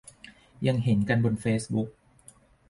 ยังเห็นกันบนเฟซบุ๊ก